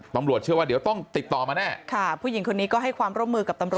ตำรวจเชื่อว่าเดี๋ยวต้องติดต่อมาแน่ค่ะผู้หญิงคนนี้ก็ให้ความร่วมมือกับตำรวจ